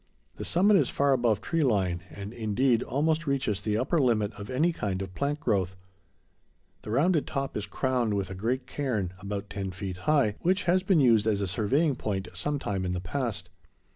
The summit is far above tree line and, indeed, almost reaches the upper limit of any kind of plant growth. The rounded top is crowned with a great cairn, about ten feet high, which has been used as a surveying point some time in the past.